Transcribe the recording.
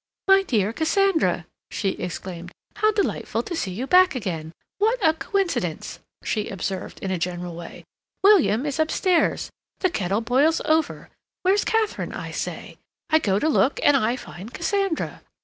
"My dear Cassandra!" she exclaimed. "How delightful to see you back again! What a coincidence!" she observed, in a general way. "William is upstairs. The kettle boils over. Where's Katharine, I say? I go to look, and I find Cassandra!"